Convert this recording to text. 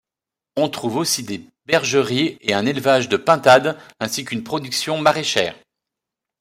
On trouve aussi des bergeries et un élevage de pintades ainsi qu'une production maraîchère.